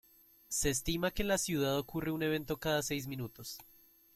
Se estima que en la ciudad ocurre un evento cada seis minutos.